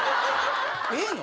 ええの？